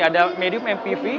ada medium mpv